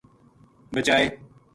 بچائے